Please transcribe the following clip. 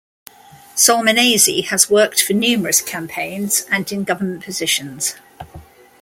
Solmonese has worked for numerous campaigns and in government positions.